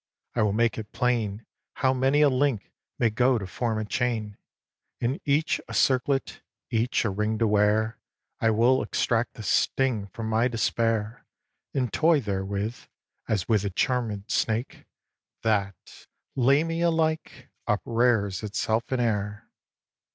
I will make it plain How many a link may go to form a chain, And each a circlet, each a ring to wear. I will extract the sting from my despair And toy therewith, as with a charmèd snake, That, Lamia like, uprears itself in air.